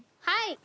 はい。